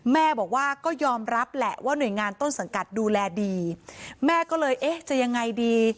แม่บอกว่าก็ยอมรับแหละว่าหน่วยงานต้นสังกัดดูแลดีแม่ก็เลยเอ๊ะจะยังไงดี